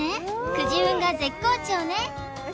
くじ運が絶好調ね